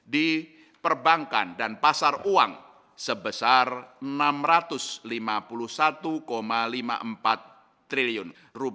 di perbankan dan pasar uang sebesar rp enam ratus lima puluh satu lima puluh empat triliun